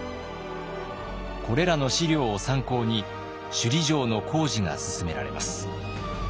これらの資料を参考に首里城の工事が進められます。